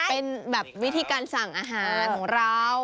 เป็นแบบวิธีการสั่งอาหารของเรา